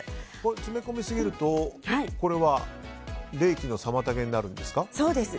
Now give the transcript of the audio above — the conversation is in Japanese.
詰め込みすぎるとこれは冷気の妨げになるんですか？